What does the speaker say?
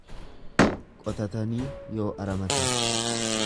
Qotatanii yoo aramatan.